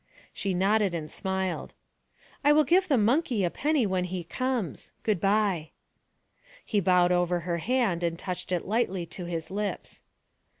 She nodded and smiled. 'I will give the monkey a penny when he comes good bye.' He bowed over her hand and touched it lightly to his lips.